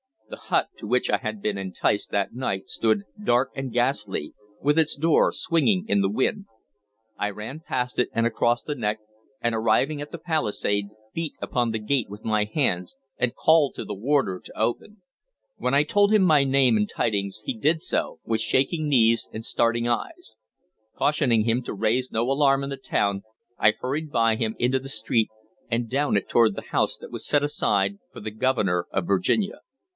The hut to which I had been enticed that night stood dark and ghastly, with its door swinging in the wind. I ran past it and across the neck, and, arriving at the palisade, beat upon the gate with my hands, and called to the warder to open. When I had told him my name and tidings, he did so, with shaking knees and starting eyes. Cautioning him to raise no alarm in the town, I hurried by him into the street, and down it toward the house that was set aside for the Governor of Virginia.